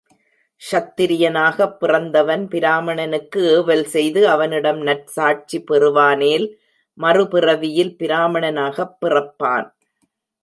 கூடித்திரியனாகப் பிறந்தவன் பிராமணனுக்கு ஏவல் செய்து அவனிடம் நற்சாட்சிப் பெறுவானேல் மறுபிறவியில் பிராமணனாகப் பிறப்பான்.